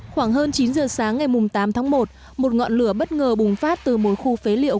khoảng hơn chín giờ sáng ngày tám tháng một một ngọn lửa bất ngờ bùng phát từ một khu phế liệu